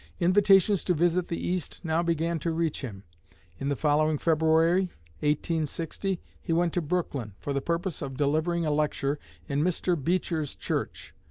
Invitations to visit the East now began to reach him. In the following February (1860) he went to Brooklyn, for the purpose of delivering a lecture in Mr. Beecher's church.